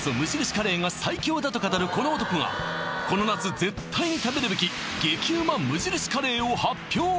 カレーが最強だと語るこの男がこの夏絶対に食べるべき激ウマ無印カレーを発表